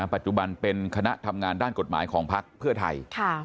ปัจจุบันเป็นคณะทำงานด้านกฎหมายของพักเพื่อไทย